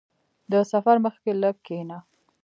• د سفر مخکې لږ کښېنه.